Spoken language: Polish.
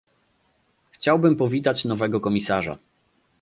Chciałbym powitać nowego komisarza